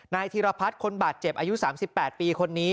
ธีรพัฒน์คนบาดเจ็บอายุ๓๘ปีคนนี้